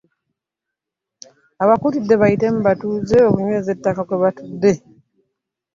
Abakuutidde bayite mu butuuze okunyweza ettaka kwe batudde